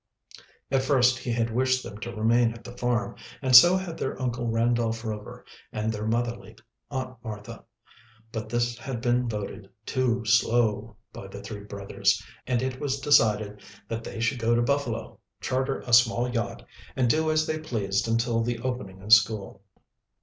At first he had wished them to remain at the farm, and so had their Uncle Randolph Rover and their motherly Aunt Martha, but this had been voted "too slow" by the three brothers, and it was decided that they should go to Buffalo, charter a small yacht, and do as they pleased until the opening of school.